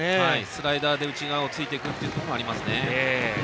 スライダーで内側をついていくこともありますね。